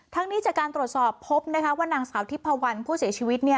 นี้จากการตรวจสอบพบว่านางสาวทิพพวันผู้เสียชีวิต